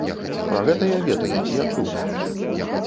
Пра гэта я ведаю, я чуў.